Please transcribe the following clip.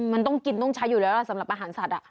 มันต้องกินต้องใช้อยู่แล้วล่ะสำหรับอาหารสัตว์